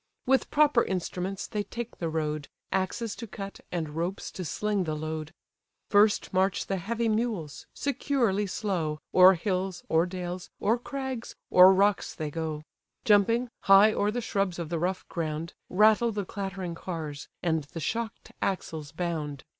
With proper instruments they take the road, Axes to cut, and ropes to sling the load. First march the heavy mules, securely slow, O'er hills, o'er dales, o'er crags, o'er rocks they go: Jumping, high o'er the shrubs of the rough ground, Rattle the clattering cars, and the shock'd axles bound.